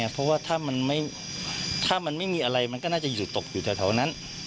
เพราะว่าถ้ามันไม่มีอะไรมันก็น่าจะอยู่ตกอยู่แถวนั้น